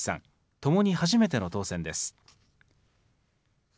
ともに初めての当選です。